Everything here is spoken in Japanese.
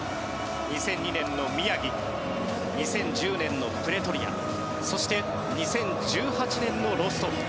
２００２年の宮城２０１０年のプレトリアそして２０１８年のロストフ。